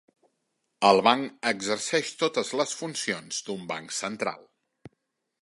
El banc exerceix totes les funcions d'un banc central.